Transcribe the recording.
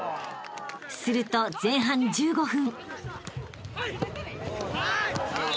［すると前半１５分］